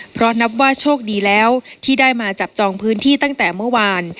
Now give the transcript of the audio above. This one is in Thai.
เพราะนับว่าโชคดีแล้วที่ได้มาจับจองพื้นที่ตั้งแต่เมื่อวาน